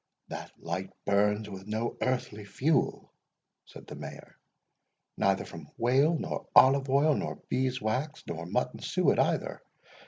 "That light burns with no earthly fuel," said the Mayor; "neither from whale nor olive oil, nor bees wax, nor mutton suet either.